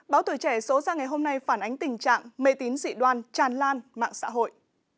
báo tuổi trẻ số ra ngày hôm nay phản ánh tình trạng mê tín dị đoan tràn lan mạng xã hội